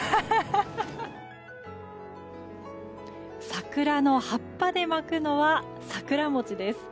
桜の葉っぱで巻くのは桜餅です。